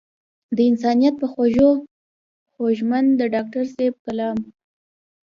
د انسانيت پۀ خوږو خوږمند د ډاکټر صېب کلام